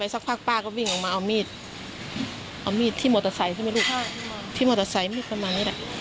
ทำไมตายง่ายขนาดนั้น